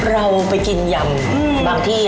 เราไปกินยำบางที่